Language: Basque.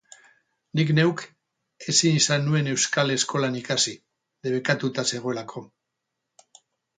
Nik neuk ezin izan nuen euskal eskolan ikasi, debekatuta zegoelako.